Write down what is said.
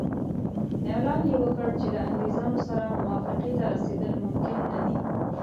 اعلان یې وکړ چې له انګریزانو سره موافقې ته رسېدل ممکن نه دي.